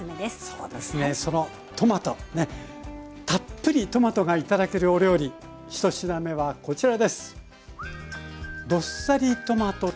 そうですねそのトマトねたっぷりトマトが頂けるお料理１品目はこちらです。